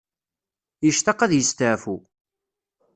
Yectaq ad yesteɛfu.